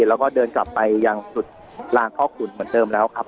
แล้วก็เดินกลับไปยังจุดลางพ่อขุนเหมือนเดิมแล้วครับ